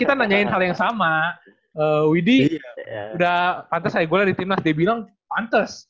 kita nanyain hal yang sama widhi udah pantes saya gue lah di timnas dia bilang pantes